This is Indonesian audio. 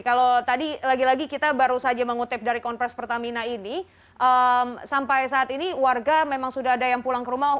kalau tadi lagi lagi kita baru saja mengutip dari konferensi pertamina ini sampai saat ini warga memang sudah ada yang pulang ke rumah